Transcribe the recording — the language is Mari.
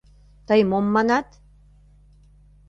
Тый мом манат?